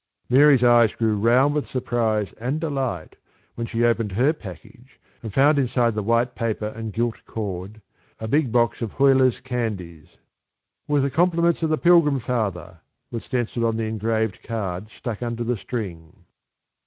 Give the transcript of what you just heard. Mary's eyes grew round with surprise and delight when she opened her package and found inside the white paper and gilt cord a big box of Huyler's candies. "With the compliments of the Pilgrim Father," was pencilled on the engraved card stuck under the string.